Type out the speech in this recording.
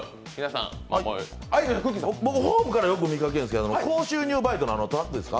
僕、ホームからよく見かけるんですけど高収入バイトのトラックですか？